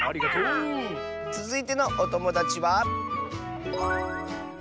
つづいてのおともだちは。